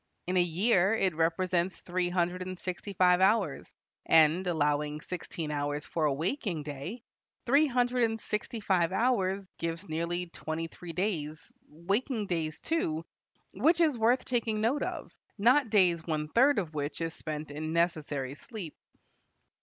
In a year it represents three hundred and sixty five hours, and, allowing sixteen hours for a waking day, three hundred and sixty five hours gives nearly twenty three days, waking days, too, which is worth taking note of, not days one third of which is spent in necessary sleep.